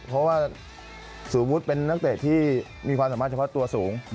เพราะว่าสมมุติเป็นนักเตะที่มีความสามารถเฉพาะตัวสูง